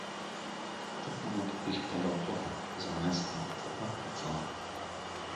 Тъкмо натопих перото, звънецът на вратата: „дзън.